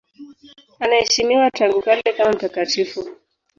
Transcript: Anaheshimiwa tangu kale kama mtakatifu.